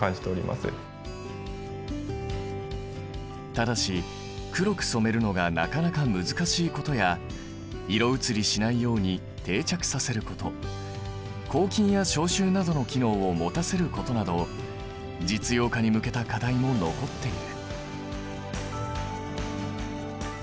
ただし黒く染めるのがなかなか難しいことや色移りしないように定着させること抗菌や消臭などの機能を持たせることなど実用化に向けた課題も残っている。